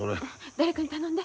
誰かに頼んで。